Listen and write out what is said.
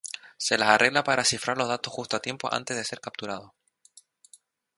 Se las arregla para cifrar los datos justo a tiempo antes de ser capturado.